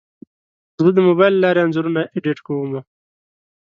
زه د موبایل له لارې انځورونه ایډیټ کوم.